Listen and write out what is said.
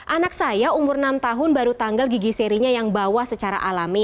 anak saya umur enam tahun baru tanggal gigi serinya yang bawah secara alami